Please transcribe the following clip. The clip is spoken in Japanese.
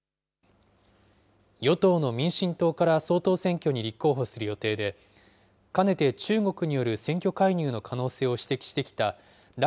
与党の民進党から総統選挙に立候補する予定で、かねて中国による選挙介入の可能性を指摘してきた頼